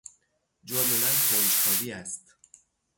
جرم من کنجکاوی است.